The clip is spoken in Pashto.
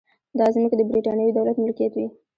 دا ځمکې د برېټانوي دولت ملکیت وې.